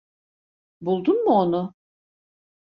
Buldun mu onu?